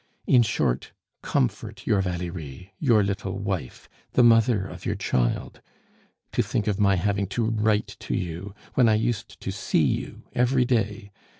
In short, comfort your Valerie, your little wife, the mother of your child. To think of my having to write to you, when I used to see you every day.